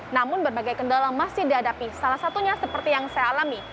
namun berbagai kendala masih dihadapi salah satunya seperti yang saya alami